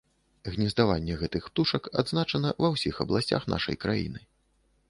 Гнездаванне гэтых птушак адзначана ва ўсіх абласцях нашай краіны.